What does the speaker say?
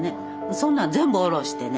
そんなん全部下ろしてね